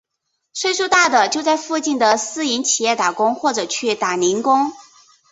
岁数大的就在附近的私营企业打工或者去打零工。